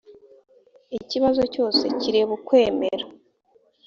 ikibazo cyose kireba ukwemera